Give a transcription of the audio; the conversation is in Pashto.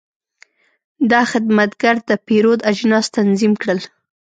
دا خدمتګر د پیرود اجناس تنظیم کړل.